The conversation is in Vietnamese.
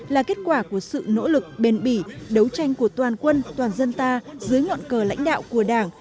là kết quả của sự nỗ lực bền bỉ đấu tranh của toàn quân toàn dân ta dưới ngọn cờ lãnh đạo của đảng